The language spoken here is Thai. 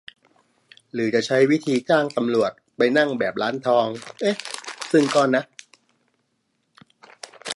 หรือจะใช้วิธีจ้างตำรวจไปนั่ง แบบร้านทอง ? ซึ่งก็ นะ